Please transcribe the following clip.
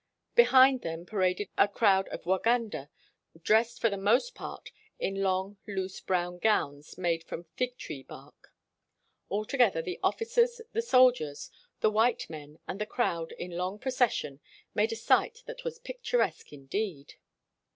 Behind them paraded a crowd of Waganda dressed for the most part in long, loose brown gowns made from fig tree bark. Al together, the officers, the soldiers, the white men, and the crowd in long procession made a sight that was picturesque indeed.